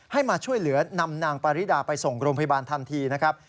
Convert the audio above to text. มาช่วยเหลือนำนางปาริดาไปส่งโรงพยาบาลทันทีนะครับ